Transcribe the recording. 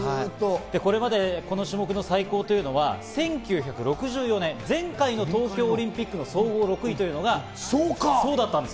これまでこの種目の最高というのは１９６４年、前回の東京オリンピックの総合６位というのがそうだったんです。